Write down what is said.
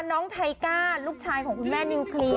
น้องไทก้าลูกชายของคุณแม่นิวเคลียร์